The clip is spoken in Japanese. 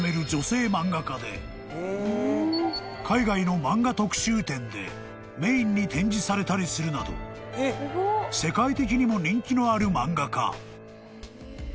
［海外のマンガ特集展でメインに展示されたりするなど世界的にも人気のある漫画家］